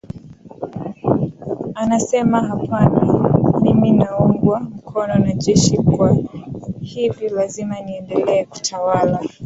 anasema hapana mimi naungwa mkono na jeshi kwa hivyo lazima niendelee kutawala